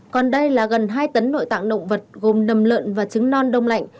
còn đây là gần hai tấn nội tạng động vật gồm nầm lợn và trứng non đông lạnh